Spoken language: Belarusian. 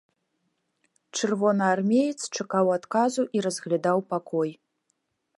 Чырвонаармеец чакаў адказу і разглядаў пакой.